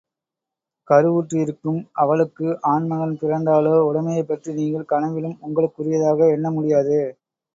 கருவுற்றிருக்கும் அவளுக்கு ஆண் மகன் பிறந்தாலோ, உடமையைப் பற்றி நீங்கள் கனவிலும் உங்களுக்குரியதாக எண்ண முடியாது.